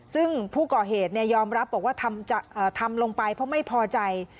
ซึ่งผู้ก่อเหตุยอมรับบอกว่าทำลงไปเพราะไม่พอใจ